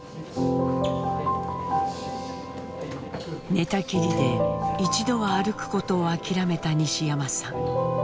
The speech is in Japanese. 寝たきりで一度は歩くことを諦めた西山さん。